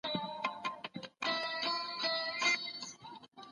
زه به د څېړنې په اړه نور معلومات راټول کړم.